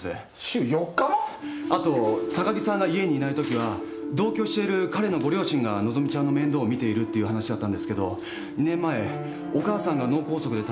高木さんが家にいない時は同居している彼のご両親が和希ちゃんの面倒を見ているっていう話だったんですけど２年前お母さんが脳梗塞で倒れて入院。